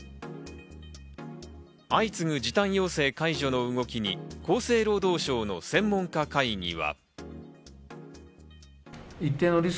相次ぐ時短要請解除の動きに厚生労働省の専門家会議は。